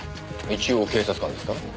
一応警察官ですから。